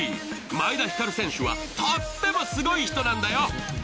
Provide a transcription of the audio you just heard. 前田滉選手はとってもすごい人なんだよ。